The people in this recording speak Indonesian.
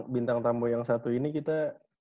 bintang tambo yang satu ini kita